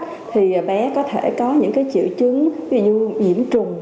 thì bé có thể có những cái triệu chứng ví dụ như nhiễm trùng